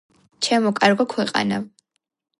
ჩემო კარგო ქვეყანავ